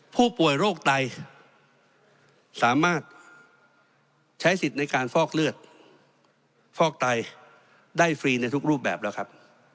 ผู้ป่วยโรคไตสามารถใช้สิทธิ์ในการฟอกเลือดฟอกไตได้ฟรีในทุกรูปแบบแล้วครับ